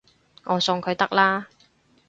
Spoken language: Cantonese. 我送佢得喇